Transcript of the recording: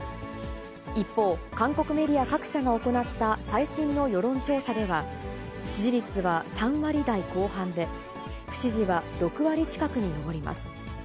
一方、韓国メディア各社が行った最新の世論調査では、支持率は３割台後半で、不支持は６割近くに上ります。